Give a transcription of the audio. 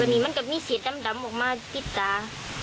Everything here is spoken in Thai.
วันนี้มันก็มีเสียด้ำออกมาปิดตาอ๋อ